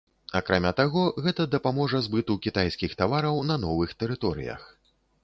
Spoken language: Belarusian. Акрамя таго, гэта дапаможа збыту кітайскіх тавараў на новых тэрыторыях.